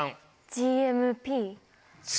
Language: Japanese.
ＧＭＰ？